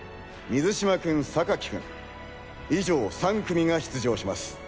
水嶋君・君以上３組が出場します。